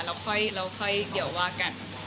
แล้วค่อยเดี๋ยวว่ากัน